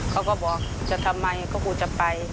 เขาก็บอกจะทำไมก็กูจะไป